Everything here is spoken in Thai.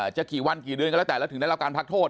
จะกี่วันกี่เดือนก็แล้วแต่แล้วถึงได้รับการพักโทษ